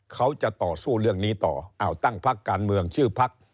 เขาจะต่อสู้เรื่องนี้ต่ออ้าวตั้งพักการเมืองชื่อพัก